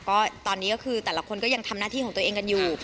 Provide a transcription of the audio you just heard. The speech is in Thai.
ก็ตอนนี้ก็คือแต่ละคนก็ยังทำหน้าที่ของตัวเองกันอยู่